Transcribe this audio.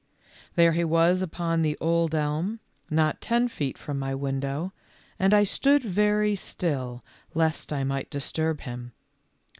There he was upon the old elm, not ten feet from my window, and I stood very still lest I might disturb him.